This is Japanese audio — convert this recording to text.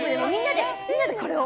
みんなでこれを。